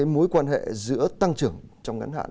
mối quan hệ giữa tăng trưởng trong ngắn hạn